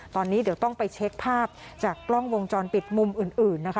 ตอนนี้เดี๋ยวต้องไปเช็คภาพจากกล้องวงจรปิดมุมอื่นนะคะ